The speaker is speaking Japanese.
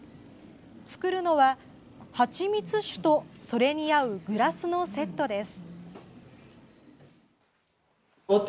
作るのはハチミツ酒とそれに合うグラスのセットです。